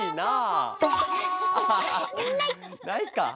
ないか。